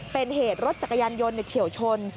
เป็นเหตุรถจักรยานยนต์เฉียวชน